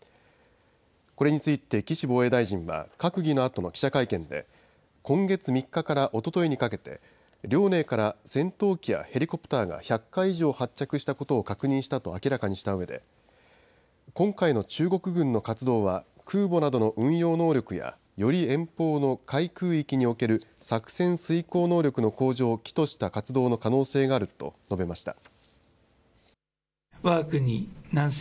これについて岸防衛大臣は閣議のあとの記者会見で今月３日からおとといにかけて遼寧から戦闘機やヘリコプターが１００回以上発着したことを確認したと明らかにしたうえで、今回の中国軍の活動は空母などの運用能力やより遠方の海空域における作戦遂行能力の向上を企図した活動の可能性があると述べました。